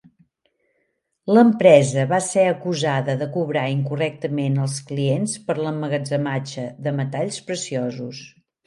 L'empresa va ser acusada de cobrar incorrectament als clients per l'emmagatzematge de metalls preciosos.